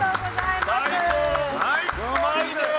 うまいです！